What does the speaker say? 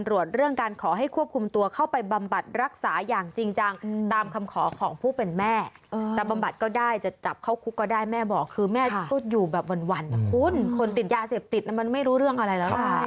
ลูกก็ได้แม่บอกคือแม่ต้นอยู่แบบวันหุ้นคนติดยาเสพติดมันไม่รู้เรื่องอะไรแล้วค่ะ